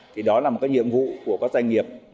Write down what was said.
thì đó là một cái nhiệm vụ của các doanh nghiệp